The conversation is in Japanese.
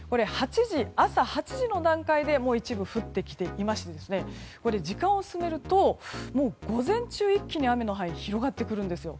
朝８時の段階で一部降ってきていまして時間を進めると午前中、一気に雨の範囲広がってくるんですよ。